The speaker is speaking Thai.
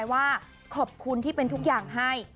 ว่าขอบคุณที่เป็นทุกอย่างให้